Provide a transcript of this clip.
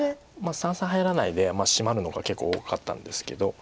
三々入らないでシマるのが結構多かったんですけど。